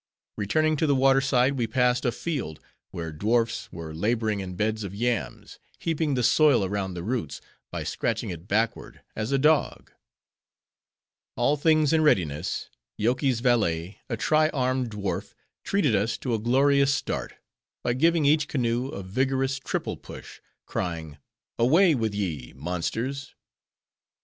Returning to the water side, we passed a field, where dwarfs were laboring in beds of yams, heaping the soil around the roots, by scratching it backward; as a dog. All things in readiness, Yoky's valet, a tri armed dwarf, treated us to a glorious start, by giving each canoe a vigorous triple push, crying, "away with ye, monsters!"